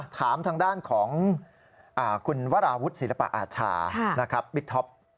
ถามทางด้านของคุณวราวุฒิศิลปะอาชานะครับบิ๊กท็อป